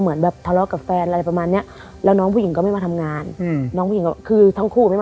เหมือนทะเลาะกับแฟนอะไรแบบนี้